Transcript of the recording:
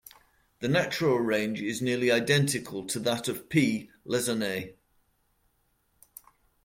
The natural range is nearly identical to that of "P. lessonae".